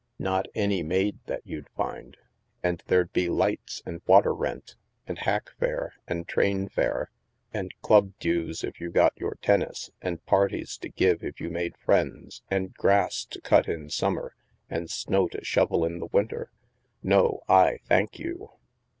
Not any maid that you'd find! And there'd be lights, and water rent, and hack fare, and train fare, and club dues if you got your tennis, and parties to give if you made friends, and grass to cut in summer, and snow to shovel in the winter. No, I thank you!"